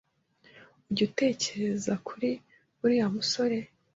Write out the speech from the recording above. Ujya utekereza kuri uriya musore?